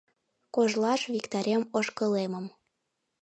Кожлаш виктарем ошкылемым